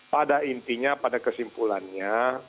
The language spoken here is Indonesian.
pada intinya pada kesimpulannya